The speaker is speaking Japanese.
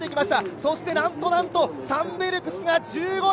そしてなんと、なんと、サンベルクスが１５位。